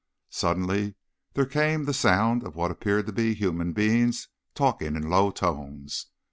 Suddenly there came the sound of what appeared to be human beings talking in low tones.